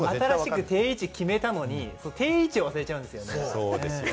新しく定位置を決めたのに、定位置を忘れちゃうんですよね。